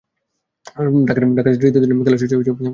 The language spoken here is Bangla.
ঢাকা টেস্টের তৃতীয় দিনের খেলাও শেষ পর্যন্ত ভেসে যাবে প্রবল বর্ষণে।